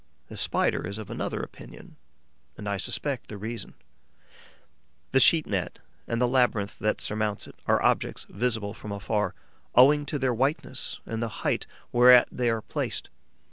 The Spider is of another opinion; and I suspect the reason. The sheet net and the labyrinth that surmounts it are objects visible from afar, owing to their whiteness and the height whereat they are placed.